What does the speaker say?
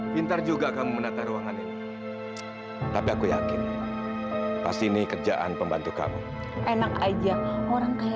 pintar juga kamu menatah ruangan ini tapi aku yakin pas ini kerjaan pembantu kamu enak aja orang kehelan sudah sampai kecemasan kalian baru adalah